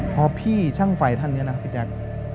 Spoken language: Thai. พอพี่ช่างไฟท่านเนี่ยนะพี่แจ๊ค